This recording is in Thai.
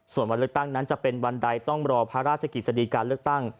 ส่วนวันเลือกตั้งนั้นจะเป็นวันใดต้องรอพระราชกิจสดีการเลือกตั้ง